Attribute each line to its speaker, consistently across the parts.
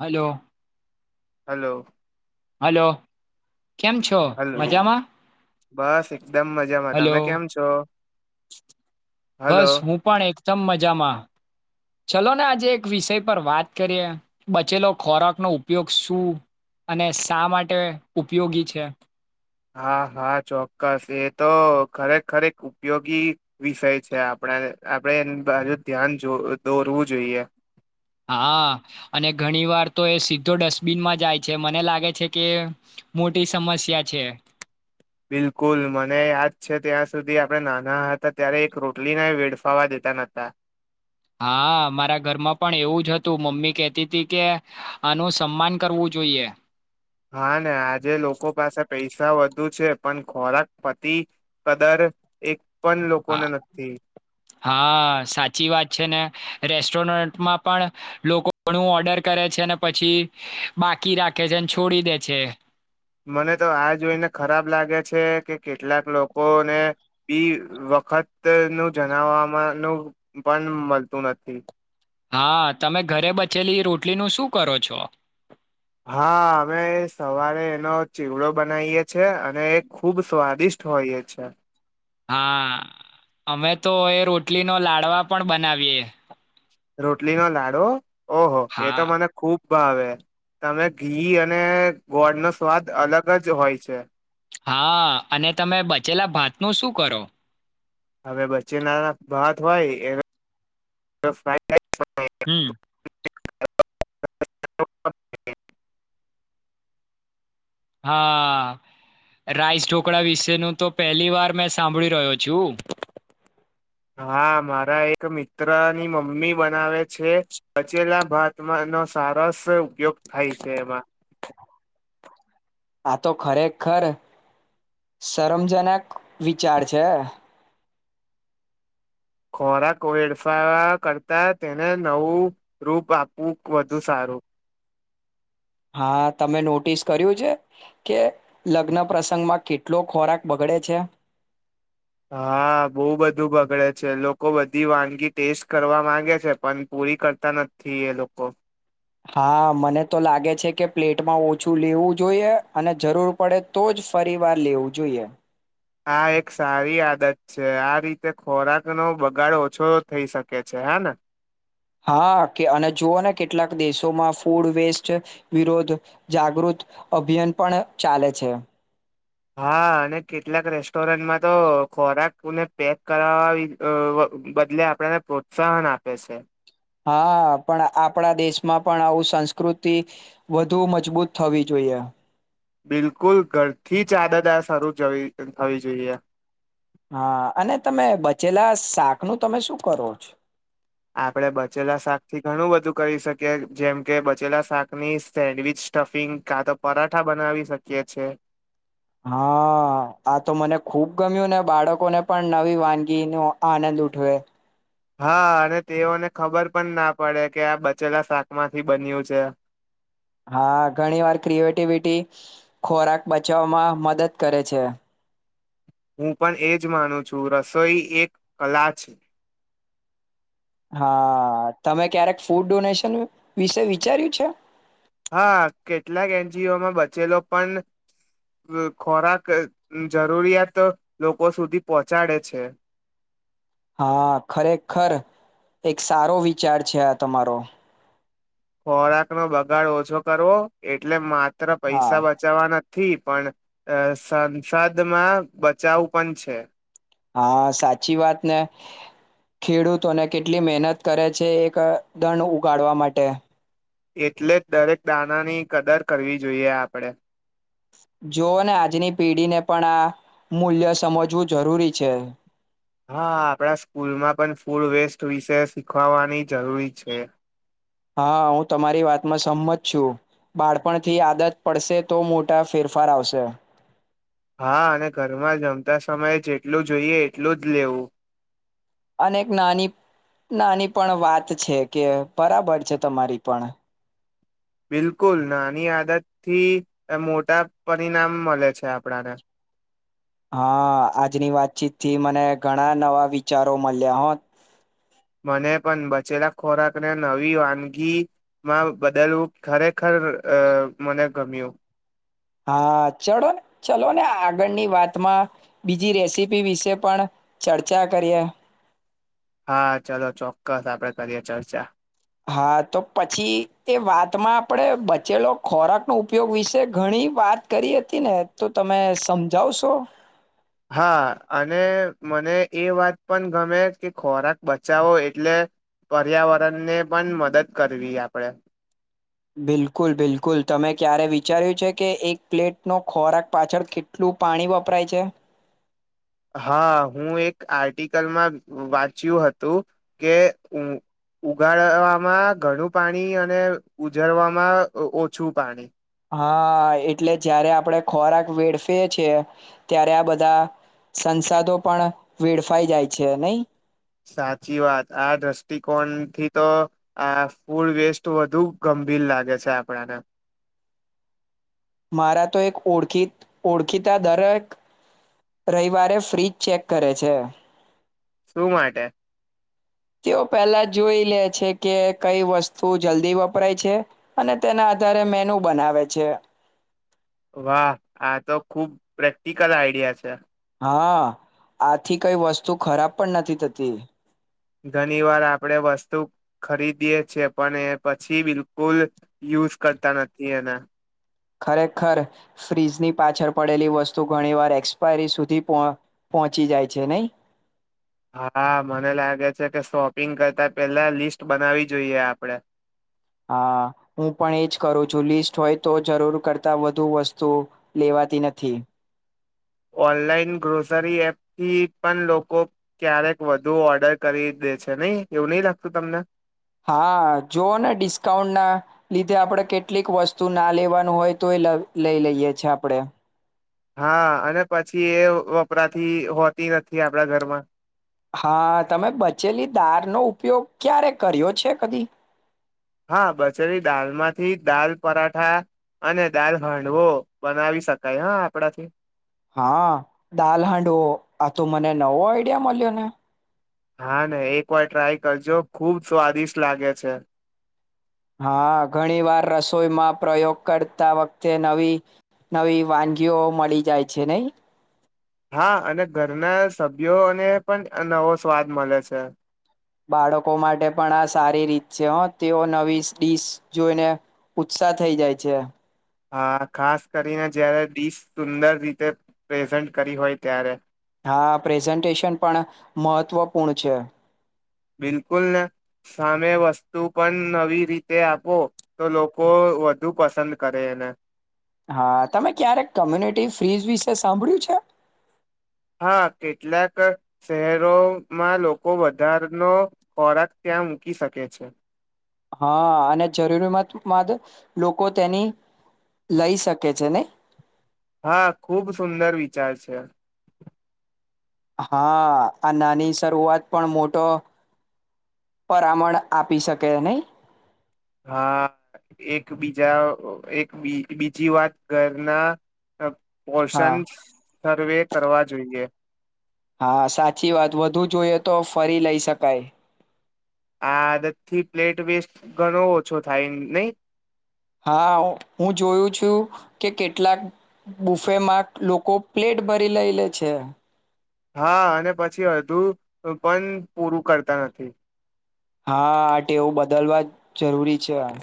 Speaker 1: Hello
Speaker 2: hello
Speaker 1: hello
Speaker 2: hello બસ એકદમ મજામાં
Speaker 1: હલો
Speaker 2: તમે કેમ છો હલો
Speaker 1: બસ હું પણ એકદમ મજામાં ચલો ને આજે એક વિષય પર વાત કરીએ બચેલો ખોરાક નો ઉપયોગ શું અને શા માટે ઉપયોગી છે
Speaker 2: હા હા ચોક્કસ એ તો ખરેખર ઉપયોગી વિષય છે આપણે આપણેે એ બાજુ ધ્યાન દોરવું જોઈએ
Speaker 1: હા અને ઘણી વાર તો એ સીધો ડસ્ટબિનમાં જાય છે મને લાગે છે કે મોટી સમસ્યા છે
Speaker 2: બિલકુલ મને યાદ છે ત્યાં સુધી આપણે નાના હતા ત્યારે એક રોટલીને વેડફાવા દેતા નહતા
Speaker 1: હા મારા ઘરમાં પણ એવું જ હતું મમ્મી કેહતી હતી કે આનું સન્માન કરવું જોઈએ
Speaker 2: હા ને આજે લોકો પાસે પૈસા વધુ ું છે પણ ખોરાક પતિ કદર એક પણ લોકોને
Speaker 1: હા
Speaker 2: નથી
Speaker 1: હા સાચી વાત છે ને રેસ્ટોરન્ટમાં પણ લોકો ઘણું ઓર્ડર કરે છે અને પછી બાકી રાખે છે અને છોડી દે છે
Speaker 2: મને તો આ જોઈને ખરાબ લાગે છે કે કેટલાક લોકોને બી વખત નું જણાવવામાંનું પણ મળતું નથી
Speaker 1: હા તમે ઘરે બચેલી રોટલીનુંું શું કરો છો
Speaker 2: હા, અમે સવારે એનો ચેવડો બનાવીએ છીએ છે. એ અને એ ખૂબ સ્વાદિષ્ટ હોય એ છે.
Speaker 1: હા. અમે તો એ રોટલી નો લાડવા પણ બનાવીએ.
Speaker 2: રોટલી નો લાડવો ઓહ, એ તો
Speaker 1: હા,
Speaker 2: મને ખૂબ. ભાવે તેમા ઘી અને ગોળ નો સ્વાદ અલગ જ હોય છે.
Speaker 1: હા. અને તમે બચેલા ભાત નું શું કરો.
Speaker 2: હવે બચેલા ના ભાત હોય એ. ફાઈડ રાઈસ
Speaker 1: હમ,
Speaker 2: હ.
Speaker 1: હા, રાઈસ ઢોકળા વિશેનું તો પહેલી વાર મેં સાંભળી રહ્યો છું.
Speaker 2: હા, મારા એક મિત્રની મમ્મી બનાવે છે. બચેલા ભાતમાંનો સરસ ઉપયોગ થાય છે. એમાં
Speaker 1: આ તો ખરેખર સરસ વિચાર છે.
Speaker 2: ખોરાક વેડફવા કરતા તેને નવું રૂપ આપવું વધુ સારું.
Speaker 1: હા. તમે નોટિસ કર્યું છે. કે લગ્ન પ્રસંગમાં કેટલો ખોરાક બગડે છે.
Speaker 2: હા, બહુ બધું બગડે છે. લોકો બધી વાનગી ટેસ્ટ કરવા માંગે છે. પણ પૂરી કરતા નથી એ લોકો.
Speaker 1: હા, મને તો લાગે છે. કે પ્લેટમાં ઓછું લેવું જોઈએ અને જરૂર પડે તો જ ફરી વાર લેવું જોઈએ.
Speaker 2: આ એક સારી આદત છે. આ રીતે ખોરાકનો બગાડ ઓછો થઈ શકે છે. હા ને
Speaker 1: હા, કે અને જુઓને કેટલાક દેશોમાં ફૂડ વેસ્ટ વિરોદ્ધ જાગૃત અભિયાન પણ ચાલે છે.
Speaker 2: હા અને કેટલાક રેસ્ટોરન્ટમાં તો ખોરાકોને પેક કરાવ બદલે આપણને પ્રોત્સાહન આપે છે.
Speaker 1: હા, પણ આપણા દેશમાં પણ આવું સંસ્કૃતિ વધુ મજબૂત થવી જોઈએ.
Speaker 2: બિલકુલ ઘરથી જ આદત આ શરૂ જ થવી જોઈએ.
Speaker 1: હા, અને તમે બચેલા શાક નું તમે શું કરો છો.
Speaker 2: આપડે. બચેલા શાક થી, ઘણું બધું કરી શકીએ જેમ કે બચેલા શાકની સેન્ડવીચ, સ્ટફિંગ કાં તો પરાઠા બનાવી શકીએ છે.
Speaker 1: હા, આ તો મને ખુબ ગમ્યું ને બાળકોને પણ નવી વાનગી ન આનંદ ઉઠાવે.
Speaker 2: હા, અને તેઓને ખબર પણ ના પડે કે આ બચેલા શાકમાંથી બન્યું છે.
Speaker 1: હા, ઘણી વાર. ઈમયુનીટી ખોરાક બચાવવામાં મદદ કરે છે.
Speaker 2: હું, પણ એજ માનું છું. રસોઈ એક કલા છે.
Speaker 1: હા, તમે ક્યારેક ફૂડ ડોનેશન વિશે વિચાર્યું છે.
Speaker 2: હા. કેટલાક એનજીઓમાં બચેલો પણ ખોરાક જરૂરિયાત લોકો સુધી પહોંચાડે છે.
Speaker 1: હા, ખરેખર એક સારો વિચાર છે. આ તમારો
Speaker 2: ખોરાક નો બગાડ ઓછો કરવો એટલા માટે.
Speaker 1: હા
Speaker 2: પૈસા બચાવવાના, થી પણ સંસદમાં બચાવ પણ છે.
Speaker 1: હા સાચી વાત ને ખેડૂતોને કેટલી મહેનત કરે છે. એક અનાજ ઉગાડવા માટે.
Speaker 2: એટલે જ દરેક દાણાની કદર કરવી જોઈએ આપણે.
Speaker 1: જોઓ ને આજની પેઢીને પણ આ મૂલ્ય સમજવું જરૂરી છે.
Speaker 2: હા, આપણા સ્કૂલમાં પણ ફૂડ વેસ્ટ વિશે શીખવાવાની જરૂરી છે.
Speaker 1: હા, હું તમારી વાતમાં સહમત છું. બાળપણથી આદત પડશે તો મોટા ફેરફાર આવશે.
Speaker 2: હા, અને ઘરમાં જમતા સમયે જેટલું જોઈએ એટલું જ લેવું.
Speaker 1: અને એક નાની નાની પણ વાત છે. કે બરાબર છે. તમારી પણ,
Speaker 2: બિલકુલ નાની આદત થી મોટા પરિણામ મળે છે. આપણે ને.
Speaker 1: હા, આજની વાતચીત થી મને ઘણા નવા વિચારો મળ્યા હોત.
Speaker 2: મને પણ બચેલા ખોરાક ને નવી વાનગી માં બદલવું ખરેખર મને ગમ્યું.
Speaker 1: હા, ચલો ને ચલો ને આગળની વાતમાં બીજી રેસીપી વિશે પણ ચર્ચા કરીએ.
Speaker 2: હા, ચાલો ચોક્કસ આપણે કરીએ ચર્ચા.
Speaker 1: હા, તો પછી એ વાતમાં આપણે બચેલો ખોરાકનો ઉપયોગ વિશે ઘણી વાત કરી હતીઃ ને તો તમે સમજાવશો.
Speaker 2: હા અને મને એ વાત પણ ગમે કે ખોરાક બચાવો એટલે પર્યાવરણને પણ મદદ કરવી આપણેે
Speaker 1: બિલકુલ બિલકુલ તમે ક્યારે વિચાર્યું છે કે એક પ્લેટનો ખોરાક પાછળ કેટલું પાણી વપરાય છે
Speaker 2: હા હું એક આર્ટિકલમાં વાંચ્યું હતું કે ઉગાડવામાં ઘણું પાણી અને ઉજરવામાં ઓછું પાણી
Speaker 1: હા એટલે જયારે આપડ ખોરાક વેડફીએ છેીએ ત્યારે આ બધા સંસાદો પણ વેડફાઈ જાય છે નઈ
Speaker 2: સાચી વાત આ દ્રષ્ટિકોણ થી તો આ ફૂડ વેસ્ટ વધુ ગંભીર લાગે છે આપણને
Speaker 1: મારા તો એક ઓખ ઓળખીતા દરેક રવિવારે ફ્રીજ ચેક કરે છે
Speaker 2: શું માટે
Speaker 1: તેઓ પહેલા જોઈ લે છે કે કઈ વસ્તુ જલ્દી વપરાય છે અને તેના આધારે મેનુ બનાવે છે
Speaker 2: વાહ આ તો ખુબ પ્રેક્ટિકલ આઈડિયા છે
Speaker 1: હા આથી કઈ વસ્તુ ખરાબ પણ નથી થતી
Speaker 2: ઘણી વાર આપણે વસ્તુ ખરીદીએ છેએ પણ એ પછી બિલકુલ યુઝ કરતા નથી એના
Speaker 1: ખરેખર ફ્રીજની પાછળ પડેલી વસ્તુ ઘણી વાર એક્સપાયરી સુધી પહોંચી જાય છે નહી
Speaker 2: હા મને લાગે છે કે શોપિંગ કરતા પેલા લિસ્ટ બનાવી જોઈએ આપડે
Speaker 1: હા હું પણ એજ કરું છું લિસ્ટ હોય તો જરૂર કરતા વધુ વસ્તુ લેવાતી નથી
Speaker 2: ઓનલાઈન ગ્રોસરી એપ થી પણ લોકો ક્યારેક વધુ ઓર્ડર કરી દે છે નહી એવું નહી લાગતું તમને
Speaker 1: હા જોઓ ને ડિસ્કાઉન્ટના લીધે આપણે કેટલીક વસ્તુ ના લેવાનું હોય તો એ લઈ લઈએ છે આપણે
Speaker 2: હા અને પછી એ વપરાતી હોતી નથી આપડા ઘરમાં
Speaker 1: હા તમે બચેલી દાળનોો ઉપયોગ ક્યારે કર્યો છે કદી
Speaker 2: હા બચેરી દાલમાંથી દાલ પરાઠા અને દાલ હાંડવો બનાવી શકાય હા આપણાથી
Speaker 1: હા દાલ હાંડવો આ તો મને નવો આઈડિયા મળ્યો ને
Speaker 2: હા ને એક વાર ટ્રાય કરજો ખુબ સ્વાદિષ્ટ લાગે છે
Speaker 1: હા ઘણી વાર રસોઈમાં પ્રયોગ કરતા વખતે નવી નવી વાનગીઓ મળી જાય છે નહી
Speaker 2: હા અને ઘરના સભ્યોને પણ નવો સ્વાદ મળે છે
Speaker 1: બાળકો માટે પણ આ સારી રીત છે તેઓ નવી ડીશ જોઈને ઉત્સાહ થઈ જાય છે
Speaker 2: હા ખાસ કરીને જારે ડીશ સુંદર રીતે પ્રેઝન્ટ કરી હોય ત્યારે
Speaker 1: હા પ્રેઝન્ટેશન પણ મહત્વપૂર્ણ છે
Speaker 2: બિલકુલ ને સામે વસ્તુ પણ નવી રીતે આપો તો લોકો વધુ પસંદ કરે એને
Speaker 1: હા તમે ક્યારેક કોમ્યુનિટી ફ્રીઝ વિશે સાંભળ્યું છે
Speaker 2: હા કેટલાક શહેરોમાં લોકો વધારાનો ખોરાક ત્યાં મૂકી શકે છે
Speaker 1: હા અને જરૂરમત બાદ લોકો તેની લઈ શકે છે ને
Speaker 2: હા ખુબ સુંદર વિચાર છે
Speaker 1: હા આ નાની શરૂઆત પણ મોટો પરામણ આપી શકે નહી
Speaker 2: હા એક બીજા એક બીજી વાત ઘરના
Speaker 1: હા
Speaker 2: પોષણ સર્વે કરવા જોઈએ
Speaker 1: હા સાચી વાત વધુ જોઈએ તો ફરી લઈ શકાય
Speaker 2: આદતથી પ્લેટ વેસ્ટ ઘણો ઓછો થાય નહી
Speaker 1: હા હું જોયું છું કે કેટલાક બુફેમાં લોકો પ્લેટ ભરી લઈ લે છે
Speaker 2: હા અને પછી હુ પણ પૂરું કરતા નથી
Speaker 1: હા આ ટેવું બદલવા જ જરૂરી છે આ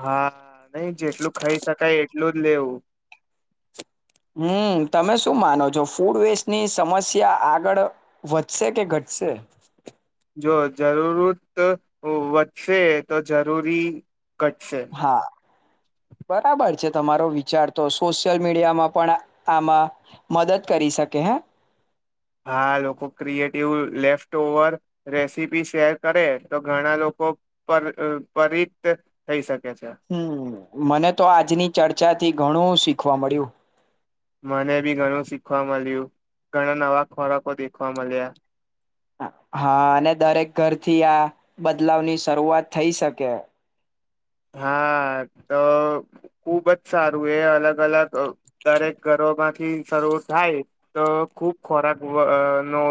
Speaker 2: હા નઈ જેટલું ખાઈ શકાય એટલું જ લેવું
Speaker 1: હમ તમે શું માનો છો ફૂડ વેસ્ટની સમસ્યા આગળ વધશે કે ઘટશે
Speaker 2: જો જરૂરત વધશે તો જરૂરી ઘટશે
Speaker 1: હા બરાબર તમારો વિચાર તો સોશિયલ મીડિયામાં પણ આમાં મદદ કરી શકે હે
Speaker 2: હા લોકો creative left over recipe share કરે તો ઘણા લોકો પર પરિત થઈ શકે છે
Speaker 1: હમ મને તો આજની ચર્ચા થી ઘણું શીખવા મળ્યું
Speaker 2: મને બી ઘણું શીખવા મળ્યું ઘણા નવા ખોરાકો શીખવા મળ્યા
Speaker 1: હા અને દરેક ઘરથી આ બદલાવ ની શરૂઆત થઈ શકે
Speaker 2: હા તો ખુબ જ સારું એ અલગ અલગ દરેક ઘરોમાંથી સરુ થાય તો ખુબ ખોરાક નો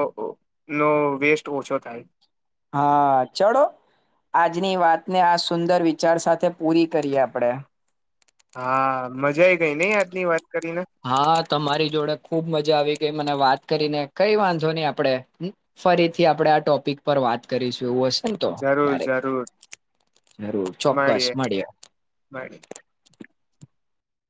Speaker 2: નો વેસ્ટ ઓછો થાય
Speaker 1: હા ચલો આજની વાતને આ સુંદર વિચાર સાથે પૂરી કરીએ આપડે
Speaker 2: હા મજા આ ગઈ નહ આજની વાત કરીને
Speaker 1: હા તમારી જોડે ખુબ મજા આવી ગઈ મને વાત કરીને કઈ વાંધોની આપણેે ફરીથી આપણે આ ટોપિક પર વાત કરીશું જોવું હશે ને તો
Speaker 2: જરૂર જરૂર
Speaker 1: ક્યારેકરું ચોક્કસ મળીએ
Speaker 2: મળીએ